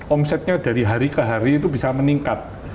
omsetnya dari hari ke hari itu bisa meningkat